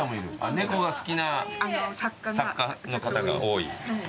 猫が好きな作家の方が多い。